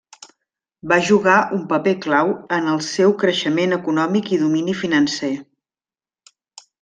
Va jugar un paper clau en el seu creixement econòmic i domini financer.